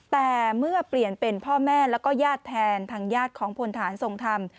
แต่เมื่อเปลี่ยนเป็นพ่อแม่แล้วก็ญาติแทนทางญาติของพลฐานทรงธรรม